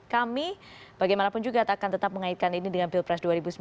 kami bagaimanapun juga akan tetap mengaitkan ini dengan pilpres dua ribu sembilan belas